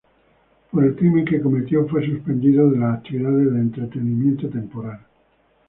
Por el crimen que cometió, fue suspendido de las actividades de entretenimiento temporalmente.